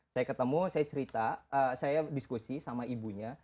saya ketemu saya cerita saya diskusi sama ibunya